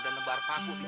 kenapa jadi begini